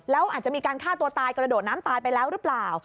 แล้วอาจจะมีการฆ่าตัวตายกระโดดน้ำตายไปแล้วหรือเปล่า